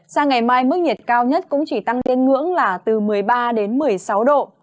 sang ngày mai mức nhiệt cao nhất cũng chỉ tăng lên ngưỡng là từ một mươi ba đến một mươi sáu độ